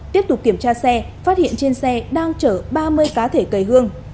tiếp tục kiểm tra xe phát hiện trên xe đang chở ba mươi cá thể cầy hương